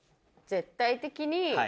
絶対的に？